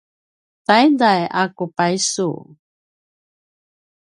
taiday a ku paisu